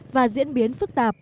và diễn biến phức tạp